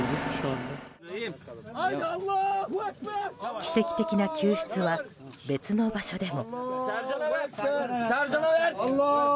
奇跡的な救出は別の場所でも。